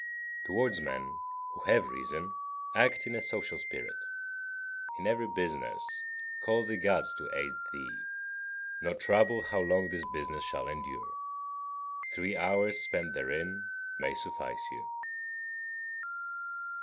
Towards men, who have reason, act in a social spirit. In every business call the Gods to aid thee, nor trouble how long this business shall endure; three hours spent therein may suffice you.